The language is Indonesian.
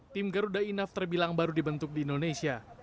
tim garuda enough terbilang baru dibentuk di indonesia